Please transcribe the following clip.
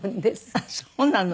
あっそうなの。